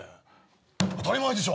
「当たり前でしょ！」